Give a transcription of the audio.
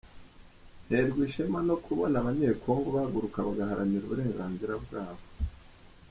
Nterwa ishema no kubona abanye-Congo bahaguruka bagaharanira uburenganzira bwabo.